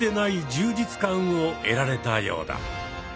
じつ感を得られたようだ。